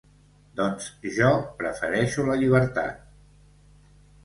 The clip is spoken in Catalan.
Doncs jo prefereixo la llibertat.